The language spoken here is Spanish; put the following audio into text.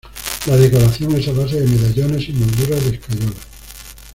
La decoración es a base de medallones y molduras de escayola.